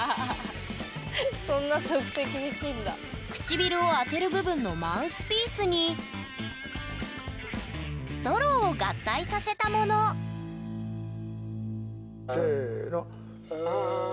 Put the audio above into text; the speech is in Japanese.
唇を当てる部分のマウスピースにストローを合体させたものせの！